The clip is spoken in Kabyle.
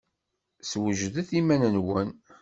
Swejdet iman-nwen!